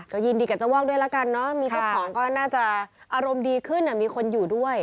ก็ยินดีกับเจ้าวอกด้วยละกันเนอะมีเจ้าของก็น่าจะอารมณ์ดีขึ้นมีคนอยู่ด้วย